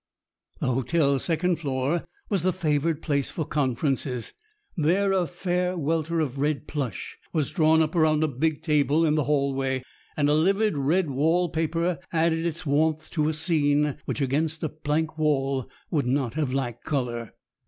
The hotel's second floor was the favored place for conferences. There a fair welter of red plush was drawn up around a big table in the hallway, and livid red wall paper added its warmth to a scene which against a plank wall would not have lacked color.